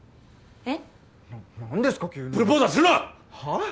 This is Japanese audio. えっ！？